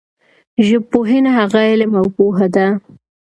ژبپوهنه هغه علم او پوهه ده